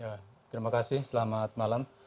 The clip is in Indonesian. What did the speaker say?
ya terima kasih selamat malam